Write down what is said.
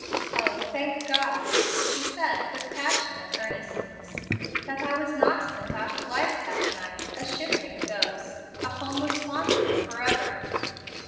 Oh, thank God," she said with passionate earnestness, "that I was not sent out of life that night, a shivering ghost, a homeless wanderer forever!